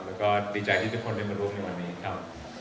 แล้วก็ดีใจที่ทุกคนได้มาร่วมในวันนี้ครับ